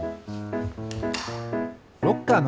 ロッカーのかぎ。